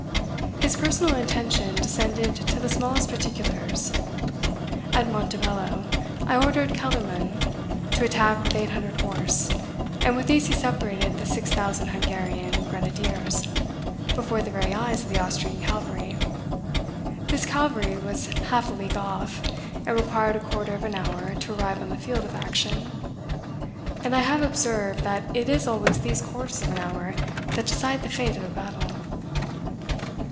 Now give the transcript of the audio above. His personal attention descended to the smallest particulars. "At Montebello, I ordered Kellermann to attack with eight hundred horse, and with these he separated the six thousand Hungarian grenadiers, before the very eyes of the Austrian cavalry. This cavalry was half a league off, and required a quarter of an hour to arrive on the field of action; and I have observed, that it is always these quarters of an hour that decide the fate of a battle."